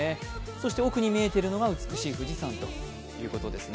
そして奥に見えているのが美しい富士山ということですね。